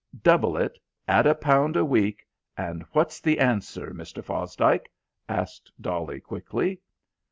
"Double it, add a pound a week, and what's the answer, Mr. Fosdike?" asked Dolly quickly.